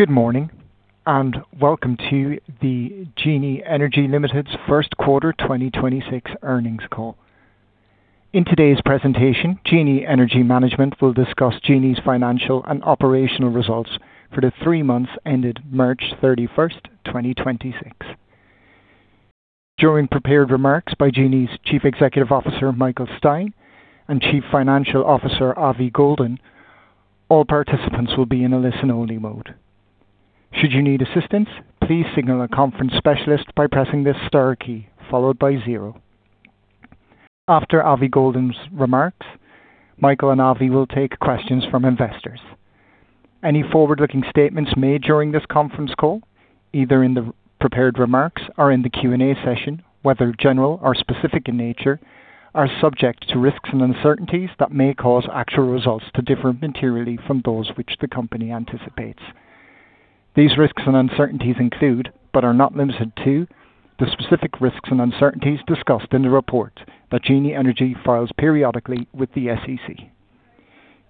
Good morning, welcome to the Genie Energy Ltd.'s first quarter 2026 earnings call. In today's presentation, Genie Energy Management will discuss Genie's financial and operational results for the three months ended March 31st, 2026. During prepared remarks by Genie's Chief Executive Officer, Michael Stein, and Chief Financial Officer, Avi Goldin, all participants will be in a listen-only mode. Should you need assistance, please signal a conference specialist by pressing the star key followed by 0. After Avi Goldin's remarks, Michael and Avi will take questions from investors. Any forward-looking statements made during this conference call, either in the prepared remarks or in the Q&A session, whether general or specific in nature, are subject to risks and uncertainties that may cause actual results to differ materially from those which the company anticipates. These risks and uncertainties include, but are not limited to, the specific risks and uncertainties discussed in the report that Genie Energy files periodically with the SEC.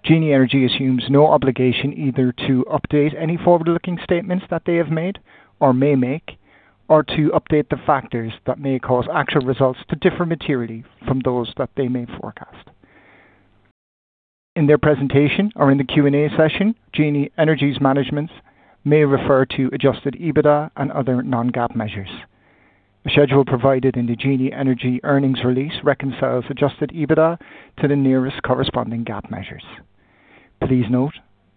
Genie Energy assumes no obligation either to update any forward-looking statements that they have made or may make, or to update the factors that may cause actual results to differ materially from those that they may forecast. In their presentation or in the Q&A session, Genie Energy's management may refer to adjusted EBITDA and other non-GAAP measures. A schedule provided in the Genie Energy earnings release reconciles adjusted EBITDA to the nearest corresponding GAAP measures. Please note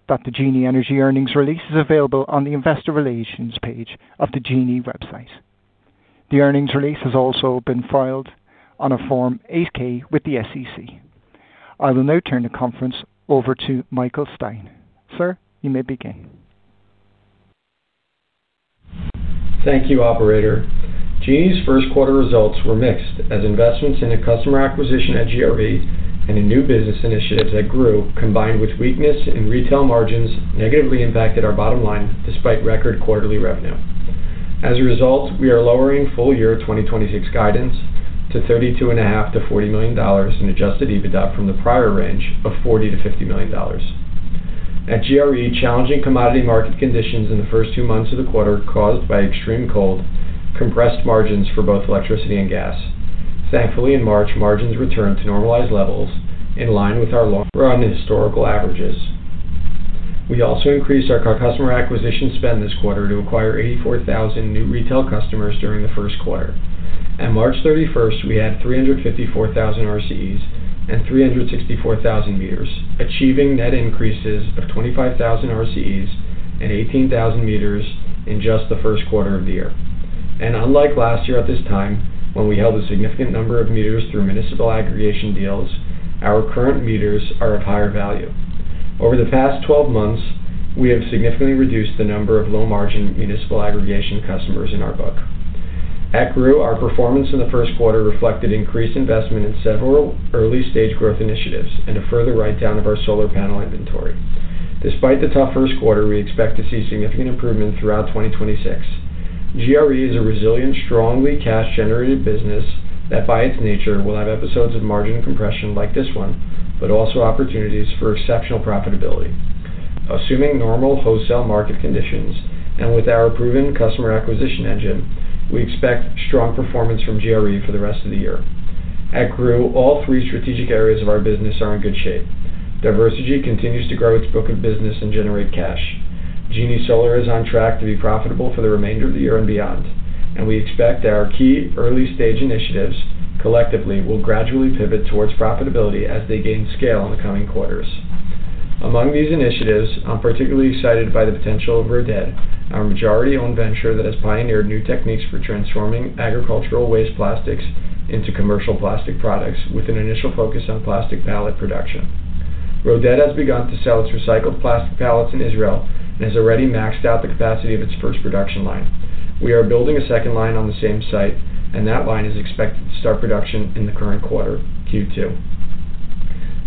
that the Genie Energy earnings release is available on the investor relations page of the Genie website. The earnings release has also been filed on a Form 8-K with the SEC. I will now turn the conference over to Michael Stein. Sir, you may begin. Thank you, operator. Genie's first quarter results were mixed as investments in customer acquisition at GRE and in new business initiatives at GREW combined with weakness in retail margins negatively impacted our bottom line despite record quarterly revenue. As a result, we are lowering full year 2026 guidance to $32.5 million-$40 million in adjusted EBITDA from the prior range of $40 million-$50 million. At GRE, challenging commodity market conditions in the first 2 months of the quarter caused by extreme cold compressed margins for both electricity and gas. Thankfully, in March, margins returned to normalized levels in line with our long-run historical averages. We also increased our customer acquisition spend this quarter to acquire 84,000 new retail customers during the first quarter. As of March 31, we had 354,000 RCEs and 364,000 meters, achieving net increases of 25,000 RCEs and 18,000 meters in just the first quarter of the year. Unlike last year at this time when we held a significant number of meters through municipal aggregation deals, our current meters are of higher value. Over the past 12 months, we have significantly reduced the number of low-margin municipal aggregation customers in our book. At GREW, our performance in the first quarter reflected increased investment in several early-stage growth initiatives and a further write-down of our solar panel inventory. Despite the tough first quarter, we expect to see significant improvement throughout 2026. GRE is a resilient, strongly cash-generated business that by its nature will have episodes of margin compression like this one, but also opportunities for exceptional profitability. Assuming normal wholesale market conditions and with our proven customer acquisition engine, we expect strong performance from GRE for the rest of the year. At GREW, all three strategic areas of our business are in good shape. Diversegy continues to grow its book of business and generate cash. Genie Solar is on track to be profitable for the remainder of the year and beyond. We expect that our key early-stage initiatives collectively will gradually pivot towards profitability as they gain scale in the coming quarters. Among these initiatives, I'm particularly excited by the potential of Roded, our majority-owned venture that has pioneered new techniques for transforming agricultural waste plastics into commercial plastic products with an initial focus on plastic pallet production. Roded has begun to sell its recycled plastic pallets in Israel and has already maxed out the capacity of its first production line. We are building a second line on the same site, and that line is expected to start production in the current quarter, Q2.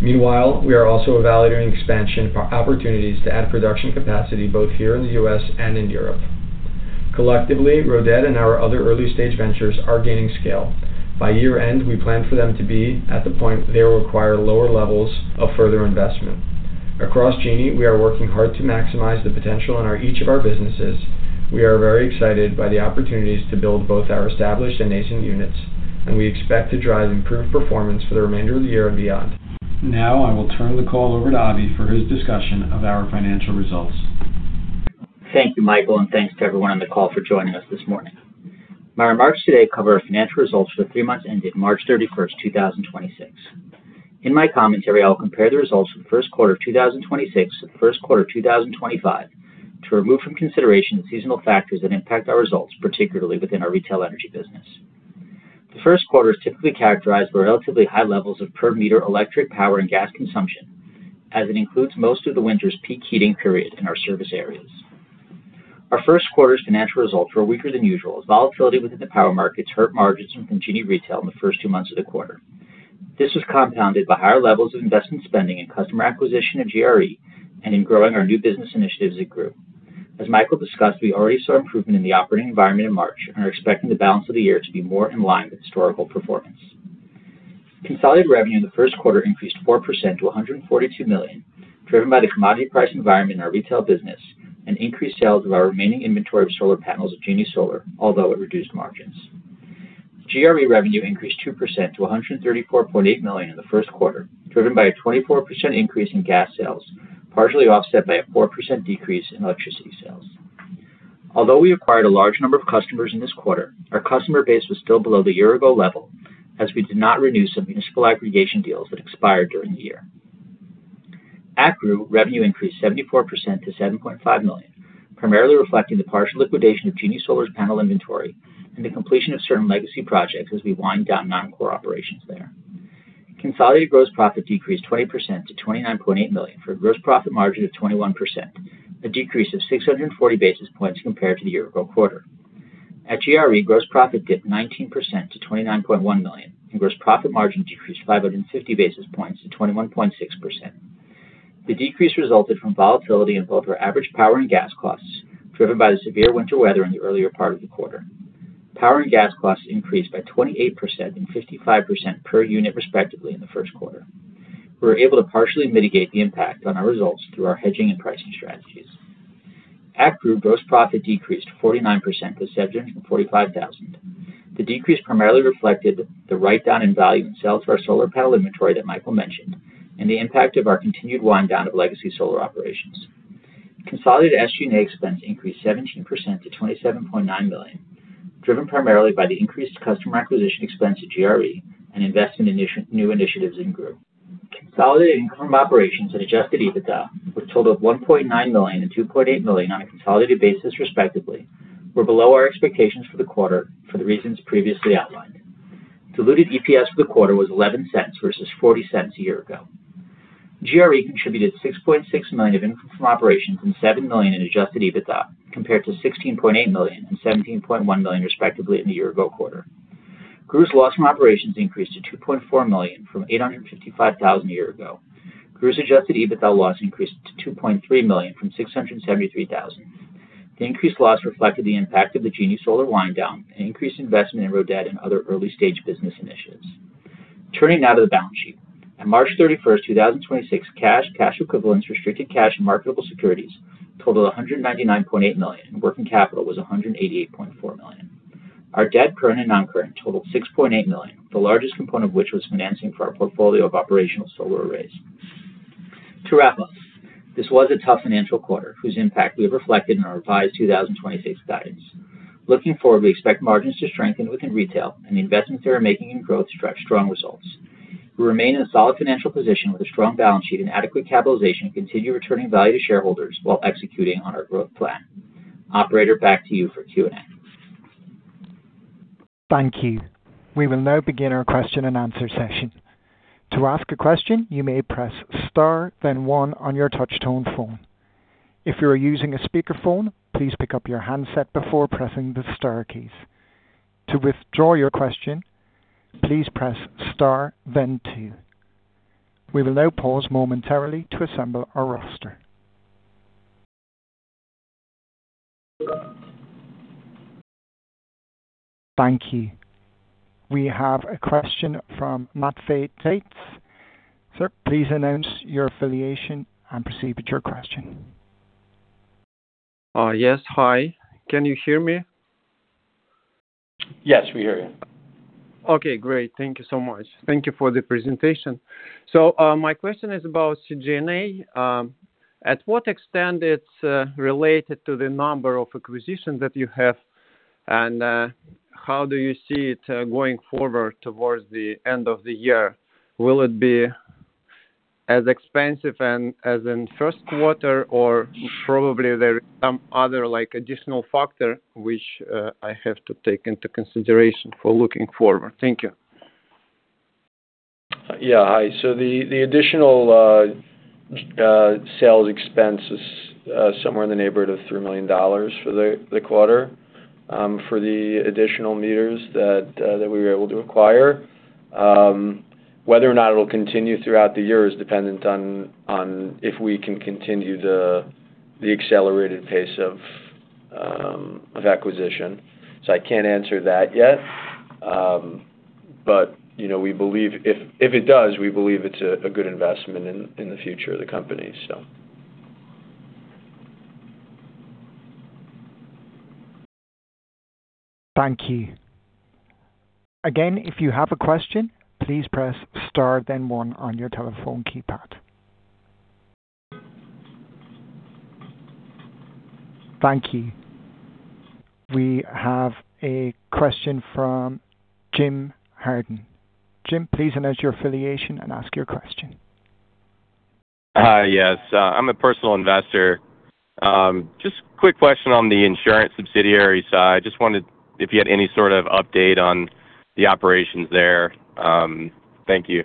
Meanwhile, we are also evaluating expansion opportunities to add production capacity both here in the U.S. and in Europe. Collectively, Roded and our other early-stage ventures are gaining scale. By year-end, we plan for them to be at the point they will require lower levels of investment. Across Genie, we are working hard to maximize the potential in each of our businesses. We are very excited by the opportunities to build both our established and nascent units, and we expect to drive improved performance for the remainder of the year and beyond. Now, I will turn the call over to Avi for his discussion of our financial results. Thank you, Michael, and thanks to everyone on the call for joining us this morning. My remarks today cover our financial results for the three months ended March 31st, 2026. In my commentary, I'll compare the results for the first quarter of 2026 to the first quarter of 2025 to remove from consideration the seasonal factors that impact our results, particularly within our retail energy business. The first quarter is typically characterized by relatively high levels of per meter electric power and gas consumption as it includes most of the winter's peak heating period in our service areas. Our first quarter's financial results were weaker than usual as volatility within the power markets hurt margins from Genie Retail in the first two months of the quarter. This was compounded by higher levels of investment spending in customer acquisition at GRE and in growing our new business initiatives at GREW. As Michael discussed, we already saw improvement in the operating environment in March and are expecting the balance of the year to be more in line with historical performance. Consolidated revenue in the first quarter increased 4% to $142 million, driven by the commodity pricing environment in our retail business and increased sales of our remaining inventory of solar panels of Genie Solar, although it reduced margins. GRE revenue increased 2% to $134.8 million in the first quarter, driven by a 24% increase in gas sales, partially offset by a 4% decrease in electricity sales. Although we acquired a large number of customers in this quarter, our customer base was still below the year-ago level as we did not renew some municipal aggregation deals that expired during the year. At GREW, revenue increased 74% to $7.5 million, primarily reflecting the partial liquidation of Genie Solar's panel inventory and the completion of certain legacy projects as we wind down non-core operations there. Consolidated gross profit decreased 20% to $29.8 million for a gross profit margin of 21%, a decrease of 640 basis points compared to the year-ago quarter. At GRE, gross profit dipped 19% to $29.1 million, and gross profit margin decreased 550 basis points to 21.6%. The decrease resulted from volatility in both our average power and gas costs, driven by the severe winter weather in the earlier part of the quarter. Power and gas costs increased by 28% and 55% per unit, respectively, in the first quarter. We were able to partially mitigate the impact on our results through our hedging and pricing strategies. At GREW, gross profit decreased 49% to $745,000. The decrease primarily reflected the write-down in value and sale of our solar panel inventory that Michael mentioned and the impact of our continued wind-down of legacy solar operations. Consolidated SG&A expense increased 17% to $27.9 million, driven primarily by the increased customer acquisition expense at GRE and investment in new initiatives in GREW. Consolidated income operations and adjusted EBITDA, which totaled $1.9 million and $2.8 million on a consolidated basis, respectively, were below our expectations for the quarter for the reasons previously outlined. Diluted EPS for the quarter was $0.11 versus $0.40 a year ago. GRE contributed $6.6 million of income from operations and $7 million in adjusted EBITDA compared to $16.8 million and $17.1 million, respectively, in the year ago quarter. GREW's loss from operations increased to $2.4 million from $855,000 a year ago. GREW's adjusted EBITDA loss increased to $2.3 million from $673,000. The increased loss reflected the impact of the Genie Solar wind down and increased investment in Roded and other early-stage business initiatives. Turning now to the balance sheet. On March 31, 2026, cash equivalents, restricted cash and marketable securities totaled $199.8 million, and working capital was $188.4 million. Our debt, current and non-current, totaled $6.8 million, the largest component of which was financing for our portfolio of operational solar arrays. To wrap up, this was a tough financial quarter whose impact we have reflected in our revised 2026 guidance. Looking forward, we expect margins to strengthen within retail and the investments that we're making in growth to drive strong results. We remain in a solid financial position with a strong balance sheet and adequate capitalization, and continue returning value to shareholders while executing on our growth plan. Operator, back to you for Q&A. Thank you. We will now begin our question-and-answer session. To ask a question, you may press Star, then one on your touch tone phone. If you are using a speaker phone, please pick up your handset before pressing the star keys. To withdraw your question, please press Star then two. We will now pause momentarily to assemble our roster. Thank you. We have a question from Matt Fate. Sir, please announce your affiliation and proceed with your question. yes. Hi. Can you hear me? Yes, we hear you. Okay, great. Thank you so much. Thank you for the presentation. My question is about SG&A. At what extent it's related to the number of acquisitions that you have, and how do you see it going forward towards the end of the year? Will it be as expensive and as in first quarter or probably there is some other like additional factor which I have to take into consideration for looking forward? Thank you. Yeah. Hi. The additional sales expense is somewhere in the neighborhood of $3 million for the quarter for the additional meters that we were able to acquire. Whether or not it'll continue throughout the year is dependent on if we can continue the accelerated pace of acquisition. I can't answer that yet. You know, we believe if it does, we believe it's a good investment in the future of the company. Thank you. Again, if you have a question, please press Star then 1 on your telephone keypad. Thank you. We have a question from Jim Harden. Jim, please announce your affiliation and ask your question. Hi. Yes. I'm a personal investor. Just quick question on the insurance subsidiary side. Just wondered if you had any sort of update on the operations there. Thank you.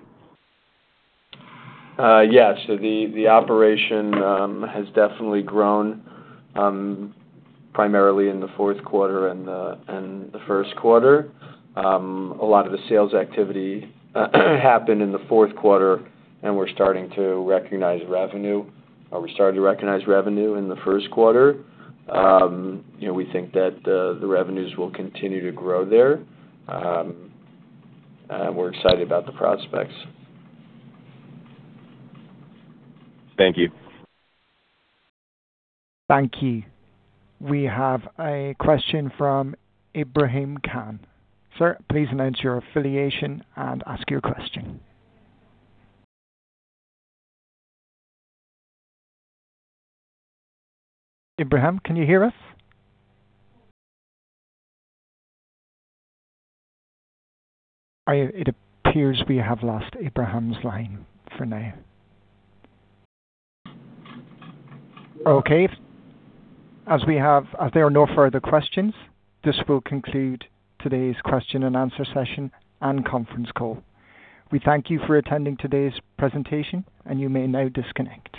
Yeah. The operation has definitely grown primarily in the fourth quarter and the first quarter. A lot of the sales activity happened in the fourth quarter, and we're starting to recognize revenue. We're starting to recognize revenue in the first quarter. You know, we think that the revenues will continue to grow there. We're excited about the prospects. Thank you. Thank you. We have a question from Ibrahim Khan. Sir, please announce your affiliation and ask your question. Ibrahim, can you hear us? It appears we have lost Ibrahim's line for now. Okay. As there are no further questions, this will conclude today's question-and-answer session and conference call. We thank you for attending today's presentation, and you may now disconnect